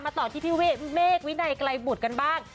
ต่อที่พี่เมฆวินัยไกลบุตรกันบ้าง